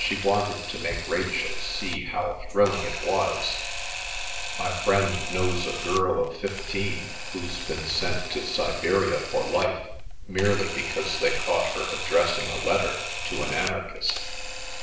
She wanted to make Rachel see how thrilling it was. "My friend knows a girl of fifteen who's been sent to Siberia for life merely because they caught her addressing a letter to an anarchist.